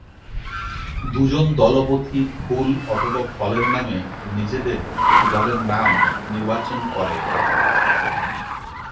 দু'জন দলপতি ফুল অথবা ফলের নামে নিজেদের দলের নাম নির্বাচন করে।